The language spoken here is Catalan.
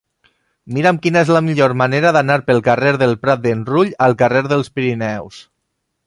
Mira'm quina és la millor manera d'anar del carrer del Prat d'en Rull al carrer dels Pirineus.